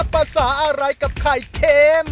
ประสาทอะไรกับไข่เค็ม